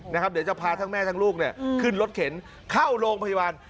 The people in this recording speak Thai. เดี๋ยวจะพาทั้งแม่ทั้งลูกเนี่ยขึ้นรถเข็นเข้าโรงพยาบาล